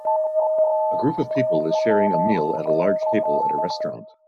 A group of people is sharing a meal at a large table at a restaurant.